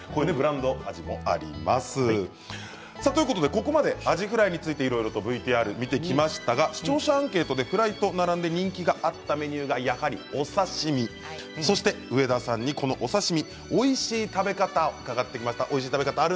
ここまでアジフライについてＶＴＲを見てきましたが視聴者アンケートでフライと並んで人気があったメニューが、やはりお刺身そして上田さんにこのお刺身おいしい食べ方を伺ってきました。